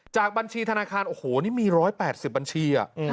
บัญชีธนาคารโอ้โหนี่มี๑๘๐บัญชี